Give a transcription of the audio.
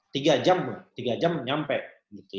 tiga jam bu tiga jam nyampe